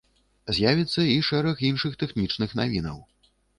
З'явіцца і шэраг іншых тэхнічных навінаў.